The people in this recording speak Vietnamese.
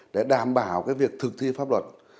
để đảm bảo việc thực thi pháp luật